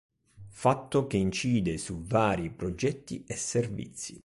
Fatto che incide su vari progetti e servizi.